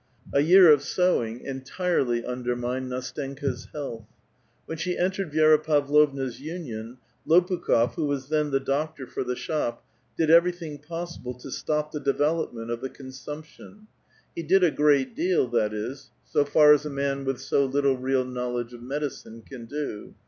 A year of sewing entirely undermined N&8teuka*s health. When she entered Vi^ra Pavlovna's union, Lopukh6f, who was then the doctor for the shop, did everything possible to stop the development of the consump tion ; he did a great deal, that is, so far as a man with so little real knowledge of medicine can do.